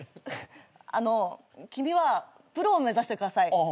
あの君はプロを目指してください。